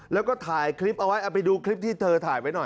แล้วก็ถ่ายคลิปเอาไว้เอาไปดูคลิปที่เธอถ่ายไว้หน่อย